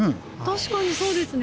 確かにそうですね。